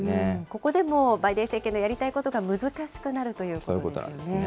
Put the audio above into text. ここでもバイデン政権のやりたいことが難しくなるということそういうことなんですね。